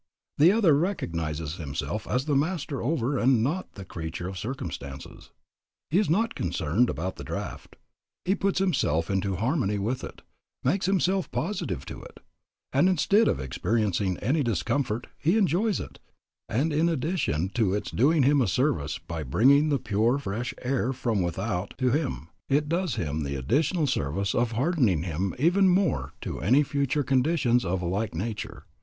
The other recognizes himself as the master over and not the creature of circumstances. He is not concerned about the draft. He puts himself into harmony with it, makes himself positive to it, and instead of experiencing any discomfort, he enjoys it, and in addition to its doing him a service by bringing the pure fresh air from without to him, it does him the additional service of hardening him even more to any future conditions of a like nature.